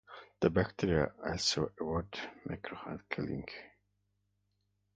The bacteria also evade macrophage-killing by neutralizing reactive nitrogen intermediates.